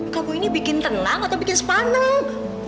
kamu ini bikin tenang atau bikin sepanen